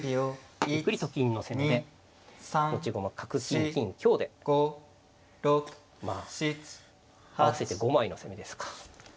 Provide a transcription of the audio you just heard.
ゆっくりと金の攻めで持ち駒角金金香でまあ合わせて５枚の攻めですか。